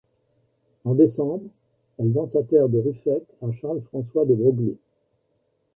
En décembre, elle vend sa terre de Ruffec à Charles-François de Broglie.